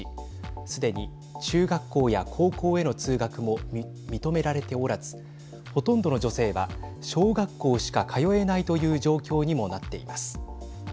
すでに中学校や高校への通学も認められておらずほとんどの女性は小学校しか通えないという状況にもなっています。